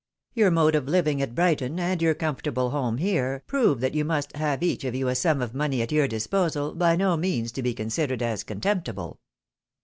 Your mode of Kving at Brighton, and your com fortable home here, prove that you must have each of you a sum of money at your disposal by no means to be considered as contemptible."